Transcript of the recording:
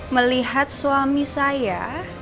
melihat suami saya